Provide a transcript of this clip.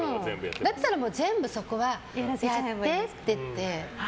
だったら全部そこはやってって言って。